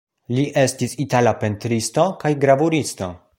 Li estis itala pentristo kaj gravuristo.